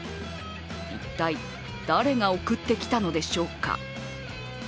一体誰が送ってきたのでしょうか。